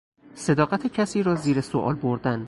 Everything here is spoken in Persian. صداقت کسی را زیر سئوال بردن